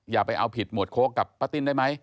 อย่าไปเอาผิดหมวดโค้กกับป้าติ้นได้ไหม